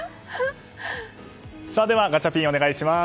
ではガチャピンお願いします。